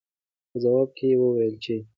پۀ جواب کښې يې وويل چې